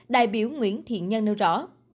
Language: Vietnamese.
đại biểu nguyễn thiện nhân nêu rõ